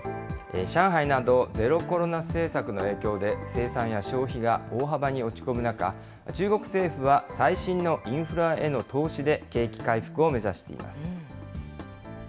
上海などゼロコロナ政策の影響で、生産や消費が大幅に落ち込む中、中国政府は、最新のインフラへの投資で景気回復を目指しています。